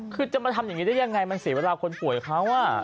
คือจะมาทำอย่างนี้ได้ยังไงมันเสียเวลาคนป่วยเขา